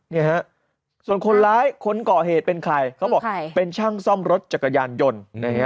นี่ฮะส่วนคนร้ายคนก่อเหตุเป็นใครเขาบอกเป็นช่างซ่อมรถจักรยานยนต์นะฮะ